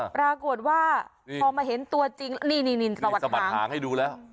ปรากฏว่าพอมาเห็นตัวจริงนี่สะบัดหางให้ดูแล้ว